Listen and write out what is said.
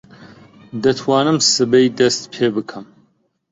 دەتوانم سبەی دەست پێ بکەم.